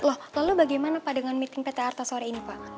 loh lalu bagaimana pak dengan meeting pt arta sore ini pak